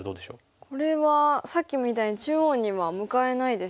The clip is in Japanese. これはさっきみたいに中央には向かえないですもんね。